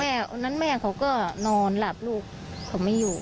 วันนั้นแม่เขาก็นอนหลับลูกเขาไม่อยู่